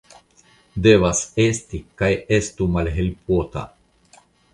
Devas esti kaj estu malhelpota.